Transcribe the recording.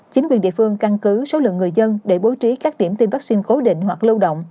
chính quyền địa phương căn cứ số lượng người dân để bố trí các điểm tiêm vaccine cố định hoặc lâu động